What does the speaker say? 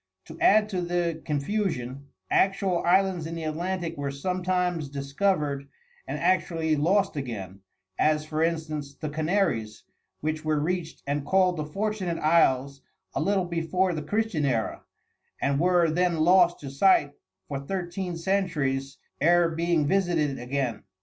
To add to the confusion, actual islands in the Atlantic were sometimes discovered and actually lost again, as, for instance, the Canaries, which were reached and called the Fortunate Isles a little before the Christian era, and were then lost to sight for thirteen centuries ere being visited again.